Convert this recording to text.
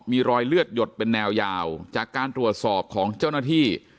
มีรอยเลือดหยดเป็นแนวยาวจากการตรวจสอบของเจ้าหน้าที่